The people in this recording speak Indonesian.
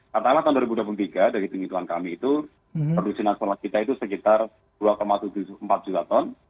katakanlah tahun dua ribu dua puluh tiga dari penghitungan kami itu produksi nasional kita itu sekitar dua tujuh puluh empat juta ton